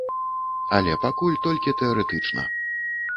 Але пакуль толькі тэарэтычна.